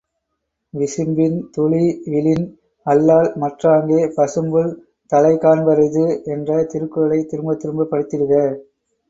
விசும்பின் துளிவிழின் அல்லால்மற் றாங்கே பசும்புல் தலைகாண் பரிது என்ற திருக்குறளைத் திரும்பத் திரும்ப படித்திடுக!